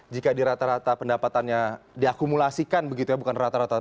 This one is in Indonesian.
jika di rata rata pendapatannya diakumulasikan begitu ya bukan rata rata